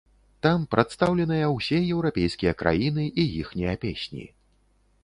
Там прадстаўленыя ўсе еўрапейскія краіны і іхнія песні.